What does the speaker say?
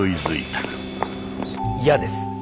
嫌です。